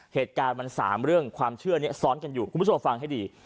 เหตุการณ์มัน๓เรื่องความเชื่อนี้ซ้อนกันอยู่คุณผู้ชมฟังให้ดี